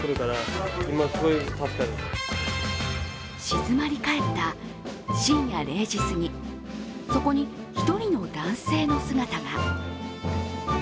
静まり返った深夜０時すぎそこに一人の男性の姿が。